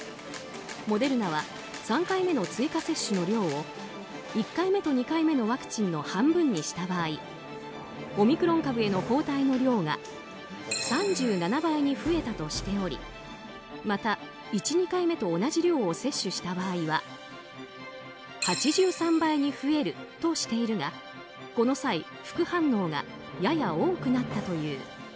モデルナは３回目の追加接種の量を１回目と２回目のワクチンの半分にした場合オミクロン株への抗体の量が３７倍に増えたとしておりまた、１、２回目と同じ量を接種した場合は８３倍に増えるとしているがこの際、副反応がやや多くなったという。